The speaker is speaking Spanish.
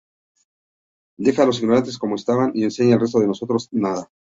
Deja a los ignorantes como estaban y enseña al resto de nosotros nada.